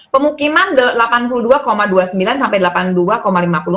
pemukiman delapan puluh dua dua puluh sembilan sampai delapan puluh dua lima puluh empat